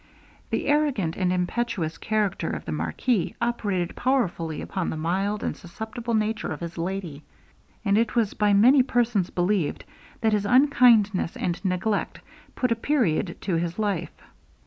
The arrogant and impetuous character of the marquis operated powerfully upon the mild and susceptible nature of his lady: and it was by many persons believed, that his unkindness and neglect put a period to her life.